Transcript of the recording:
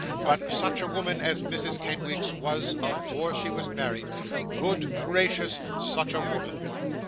'But such a woman as Mrs. Kenwigs was, afore she was married! Good gracious, such a woman!